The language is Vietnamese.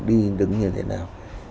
đi đứng như thế nào